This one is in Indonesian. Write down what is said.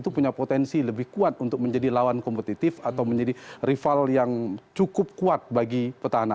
punya potensi lebih kuat untuk menjadi lawan kompetitif atau menjadi rival yang cukup kuat bagi petahana